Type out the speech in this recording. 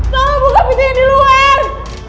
tolong buka pintunya di luar